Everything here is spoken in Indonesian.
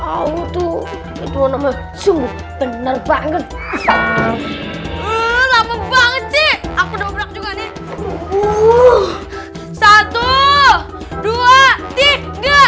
aku tuh itu namanya sungguh bener banget lama banget aku dobrak juga nih